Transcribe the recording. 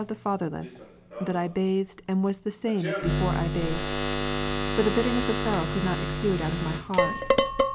ie fatherless, that I bathed, and was the same as before I bathed. For the bitterness of sorrow could not exsude out of my heart.